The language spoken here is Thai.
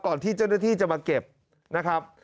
ที่เจ้าหน้าที่จะมาเก็บนะครับ